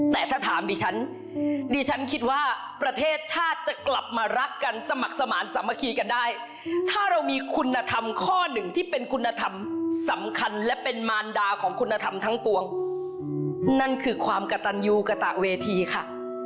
แต่ถ้าถามดิฉันดิฉันคิดว่าประเทศชาติจะกลับมารักกันสมัครสมาธิสามัคคีกันได้ถ้าเรามีคุณธรรมข้อหนึ่งที่เป็นคุณธรรมสำคัญและเป็นมารดาของคุณธรรมทั้งปวงนั่นคือความกระตันยูกระตะเวทีค่ะ